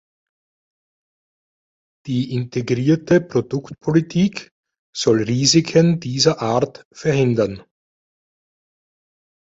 Die integrierte Produktpolitik soll Risiken dieser Art verhindern.